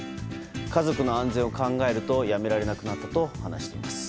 家族の安全を考えるとやめられなくなったと話しています。